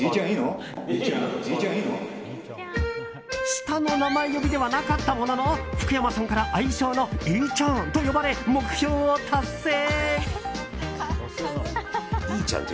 下の名前呼びではなかったものの福山さんから愛称の飯ちゃんと呼ばれ目標を達成！